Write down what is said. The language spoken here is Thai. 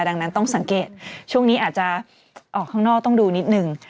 ดังนั้นต้องสังเกตช่วงนี้อาจจะออกข้างนอกต้องดูนิดนึง